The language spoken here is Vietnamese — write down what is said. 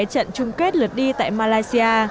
trận chung kết lượt đi tại malaysia